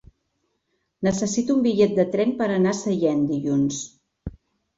Necessito un bitllet de tren per anar a Sallent dilluns.